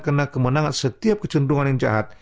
karena kemenangan setiap kecenderungan yang jahat